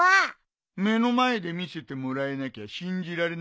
目の前で見せてもらえなきゃ信じられないよな。